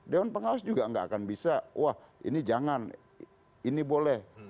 dewan pengawas juga nggak akan bisa wah ini jangan ini boleh